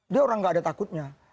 dia orang nggak ada takutnya